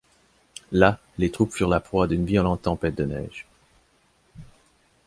Là, les troupes furent la proie d'une violente tempête de neige.